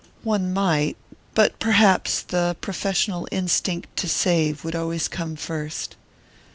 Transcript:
"One might...but perhaps the professional instinct to save would always come first."